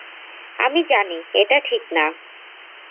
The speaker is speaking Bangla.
আমি জানি এটা ঠিক না।